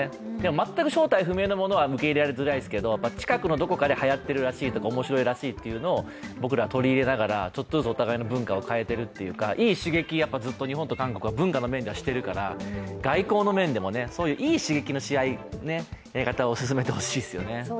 全く正体不明なものは受け入れられづらいですけど、近くのどこかではやってる、面白いらしいというのを僕らは取り入れながら、ちょっとずつお互いの文化を変えているというかいい刺激を日本と韓国はずっと文化の面ではしてるから、外交の面でもいい刺激のしあいを進めてほしいですよね。